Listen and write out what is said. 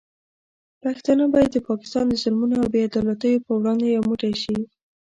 پښتانه باید د پاکستان د ظلمونو او بې عدالتیو پر وړاندې یو موټی شي.